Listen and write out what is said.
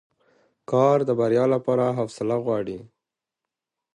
کار د بریا لپاره حوصله غواړي